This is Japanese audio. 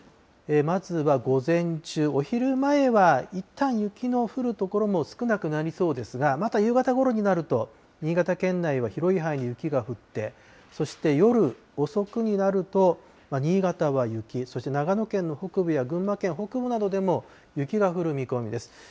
まずは午前中、お昼前はいったん雪の降る所も少なくなりそうですが、また夕方ごろになると、新潟県内は広い範囲で雪が降って、そして夜遅くになると、新潟は雪、そして長野県の北部や、群馬県北部などでも雪が降る見込みです。